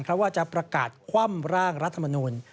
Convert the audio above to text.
เพราะว่าจะประกาศคว่ำร่างรัฐมนูล